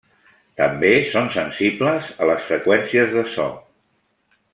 També són sensibles a les freqüències de so.